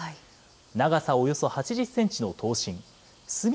長さおよそ８０センチの刀身。